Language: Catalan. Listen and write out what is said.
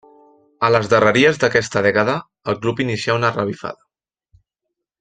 A les darreries d'aquesta dècada el club inicià una revifada.